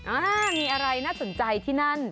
อ่ามีอะไรน่าสนใจที่นั่น